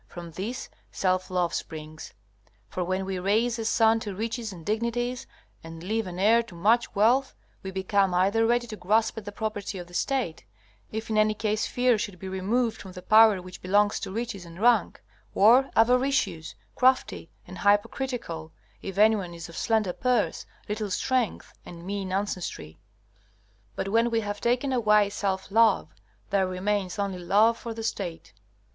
From this, self love springs. For when we raise a son to riches and dignities, and leave an heir to much wealth, we become either ready to grasp at the property of the State, if in any case fear should be removed from the power which belongs to riches and rank; or avaricious, crafty, and hypocritical, if anyone is of slender purse, little strength, and mean ancestry. But when we have taken away self love, there remains only love for the State.